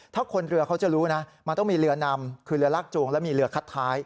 ถ้าคนเรือเขาจะรู้นะมันต้องมีเรือนำคือเรือลากจูงและมีเรือคัดท้าย